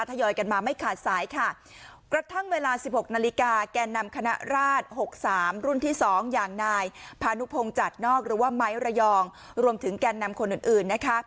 ทยอยกันมาไม่ขาดสายค่ะกระทั่งเวลา๑๖นาฬิกาแกน่ำราช๖๓รุ่นที่๒อย่างนายพานุพงจัดนอกหรือว่าไม้เรียียรรวมถึงแกนมาคนอื่นนะคะ